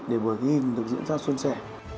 để vừa ghi được diễn ra xuân sẻ